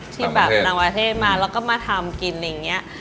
ที่แบบต่างประเทศมาแล้วก็มาทำกินอะไรอย่างนี้